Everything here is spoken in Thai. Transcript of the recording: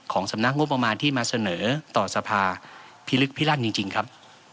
สำนักงบประมาณที่มาเสนอต่อสภาพิลึกพิลั่นจริงครับ